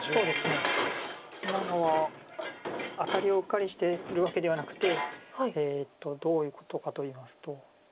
今のはアタリをうっかりしてるわけではなくてどういうことかといいますと。